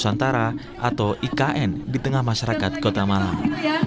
nusantara atau ikn di tengah masyarakat kota malang